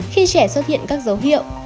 khi trẻ xuất hiện các dấu hiệu